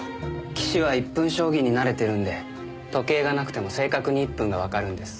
棋士は１分将棋に慣れてるんで時計がなくても正確に１分がわかるんです。